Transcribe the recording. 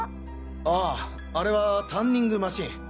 あああれはタンニングマシン。